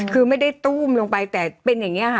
คือไม่ได้ตู้มลงไปแต่เป็นอย่างนี้ค่ะ